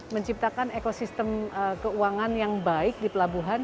menciptakan ekosistem keuangan yang baik di pelabuhan